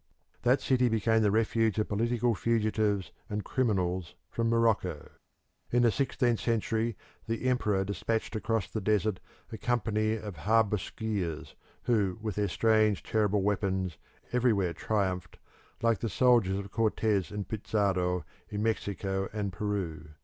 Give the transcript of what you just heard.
That city became the refuge of political fugitives and criminals from Morocco. In the sixteenth century the Emperor dispatched across the desert a company of harquebusiers who, with their strange, terrible weapons, everywhere triumphed like the soldiers of Cortes and Pizarro in Mexico and Peru.